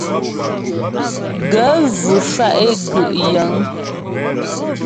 Gaə̂ vʉ shwá' é gú' yəŋ.